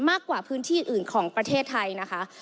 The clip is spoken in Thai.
มากกว่าพื้นที่อื่นของประเทศไทยนะคะ